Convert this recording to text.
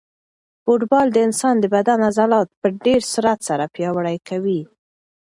فوټبال د انسان د بدن عضلات په ډېر سرعت سره پیاوړي کوي.